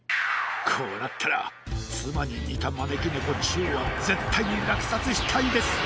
こうなったらつまににたまねきねこ・中はぜったいにらくさつしたいです！